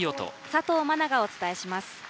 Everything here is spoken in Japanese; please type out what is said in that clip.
佐藤茉那がお伝えします。